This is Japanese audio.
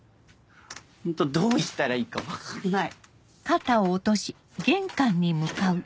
ホントどう生きたらいいか分かんない。